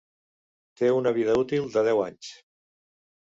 Té una vida útil de deu anys.